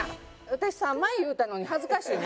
私３枚言うたのに恥ずかしいな。